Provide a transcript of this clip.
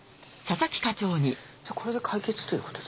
じゃあこれで解決ということで。